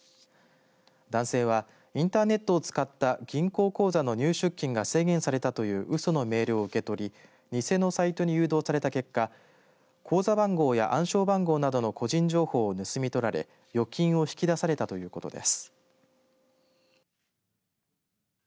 男性はインターネットを使った銀行口座の入出金が制限されたという、うそのメールを受け取り偽のサイトに誘導された結果口座番号や暗証番号などの個人情報を盗み取られ預金を引き出されたということです。